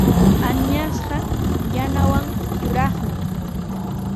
Añasqa yanawan yuraqmi.